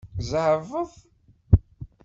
Zeɛbeḍ.